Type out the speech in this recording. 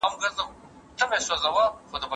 نوي حقایق زړې نظریې بدلوي.